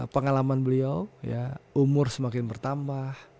pengalaman beliau umur semakin bertambah